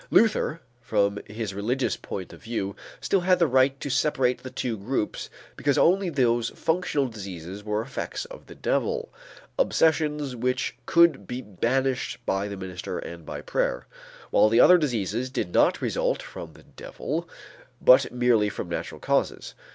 Luther, from his religious point of view, still had the right to separate the two groups because only those functional diseases were effects of the devil, obsessions which could be banished by the minister and by prayer, while the other diseases did not result from the devil, but merely from natural causes.